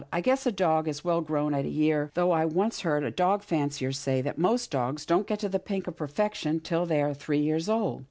" I guess a dog is well grown at a year, though I once heard a dog fancier say that most dogs don't get to the pink of perfection till they are three years old."